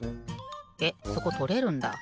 えっそことれるんだ？